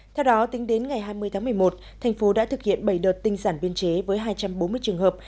theo đó tính đến ngày hai mươi tháng một mươi một thành phố đã thực hiện bảy đợt tinh sản biên chế với hai trăm bốn mươi trường hợp